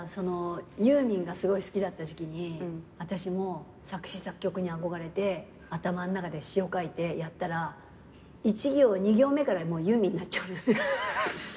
ユーミンがすごい好きだった時期に私も作詞作曲に憧れて頭の中で詞を書いてやったら１行２行目からもうユーミンになっちゃうんだよね。